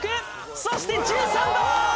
そして１３番！